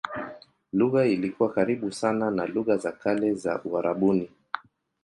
Lugha ilikuwa karibu sana na lugha za kale za Uarabuni.